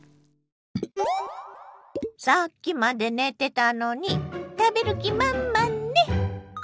さっきまで寝てたのに食べる気満々ね！